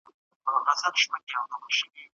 سائله دا اعزاز حاصل که، شاه جهان به شی